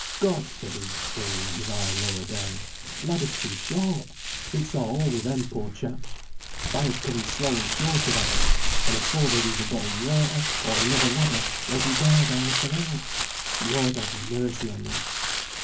God!" said he, bringing his eye lower down, "th' ladder's too short! It's a' over wi' them, poor chaps. Th' fire's coming slow and sure to that end, and afore they've either gotten water, or another ladder, they'll be dead out and out. Lord have mercy on them!"